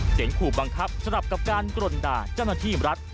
เสียงขู่บังคับสำหรับการกรนด่าเจ้าหน้าที่รัฐ